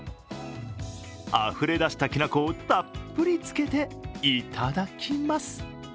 あふれ出したきな粉をたっぷりつけて、いただきます。